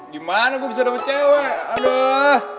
gimana gue bisa dapet cewek aduh